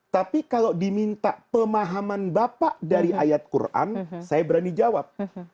tapi kalau diminta pemahaman bapak dari ayat quran saya berani jawab